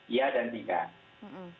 ya dan tidak